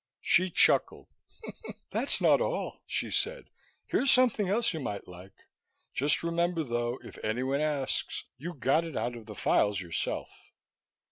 She chuckled. "That's not all," she said. "Here's something else you might like. Just remember though, if anyone asks, you got it out of the files yourself."